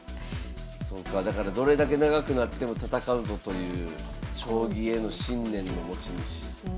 そうかだからどれだけ長くなっても戦うぞという将棋への信念の持ち主。